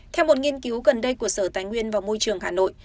theo một nghiên cứu gần đây của sở tài nguyên và môi trường hà nội